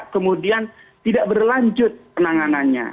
kemudian tidak berlanjut penanganannya